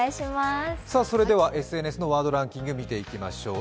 それではＳＮＳのワードランキング見ていきましょう。